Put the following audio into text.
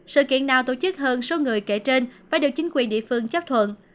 sự kiện nào tổ chức hơn số người kể trên phải được chính quyền địa phương chấp thuận